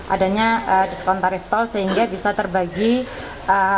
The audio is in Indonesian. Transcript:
adanya diskon tarif tol sehingga bisa terbagi